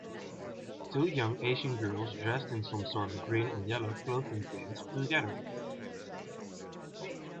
Two young Asian girls dressed in some sort of green and yellow clothing dance together.